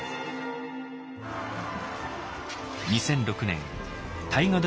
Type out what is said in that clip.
２００６年大河ドラマ